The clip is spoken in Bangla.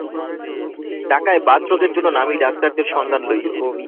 ঢাকায় বাত রোগের জন্য নামী ডাক্তারদের সন্ধান লইও।